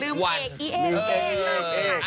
ลืมเอกอีเอ๊ะลืมเอกมากค่ะ